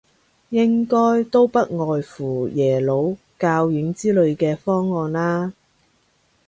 應該都不外乎耶魯、教院之類嘅方案啦